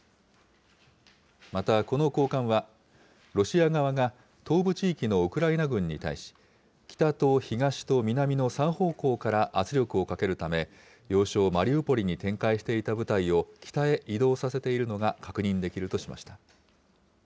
またこの高官は、ロシア側が、東部地域のウクライナ軍に対し、北と東と南の３方向から圧力をかけるため、要衝マリウポリに展開していた部隊を北へ移動させているのが確認できるとしました。